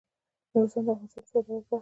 نورستان د افغانستان د صادراتو برخه ده.